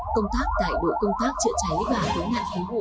công tác tại đội công tác chữa cháy và cứu nạn cứu hộ